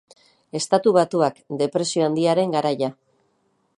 Estatu Batuak, Depresio Handiaren garaia.